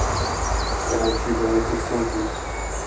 O motivo é muito simples.